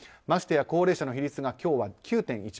ましてや高齢者の比率が今日は９．１％。